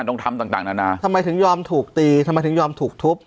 นั่นแหละครับ